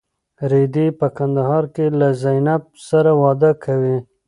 رېدی په کندهار کې له زینب سره واده کوي.